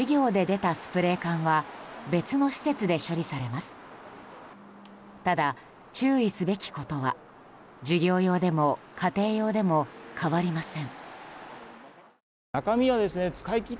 ただ、注意すべきことは事業用でも家庭用でも変わりません。